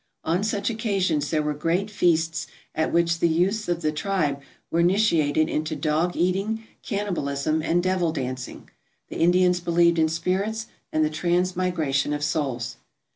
On such occasions there were great feasts at which the youths of the tribe were initiated into dog eating, cannibalism, and devil dancing. The Indians believed in spirits and the transmigration of souls.